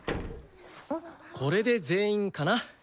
これで全員かな？